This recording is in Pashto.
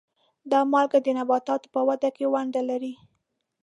دا مالګه د نباتاتو په وده کې ونډه لري.